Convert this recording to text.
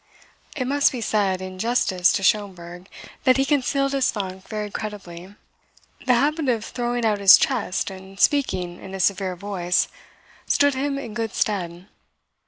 It must be said, in justice to Schomberg, that he concealed his funk very creditably. The habit of throwing out his chest and speaking in a severe voice stood him in good stead.